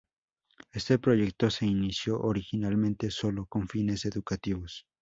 Este proyecto se inició originalmente sólo con fines educativos.